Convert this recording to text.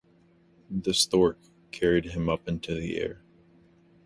The Stork carried him up into the air.